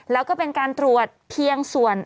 แล้วก็เป็นการตรวจเพียงส่วน